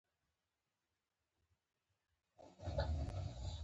ملامت او سلامت دې څرګند شي.